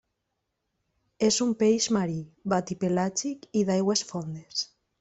És un peix marí, batipelàgic i d'aigües fondes.